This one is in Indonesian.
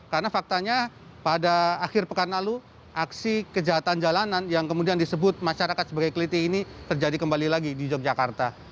karena faktanya pada akhir pekan lalu aksi kejahatan jalanan yang kemudian disebut masyarakat sebagai keliti ini terjadi kembali lagi di yogyakarta